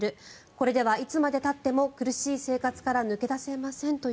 これではいつまでたっても苦しい生活から抜け出せません。